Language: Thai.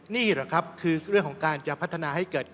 นี่แหละครับคือเรื่องของการจะพัฒนาให้เกิด